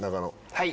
はい。